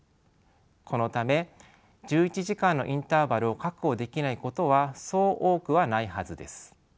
このため１１時間のインターバルを確保できないことはそう多くはないはずです。